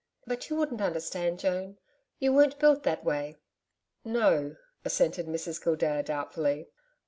But you wouldn't understand, Joan. You weren't built that way.' 'No,' assented Mrs Gildea doubtfully.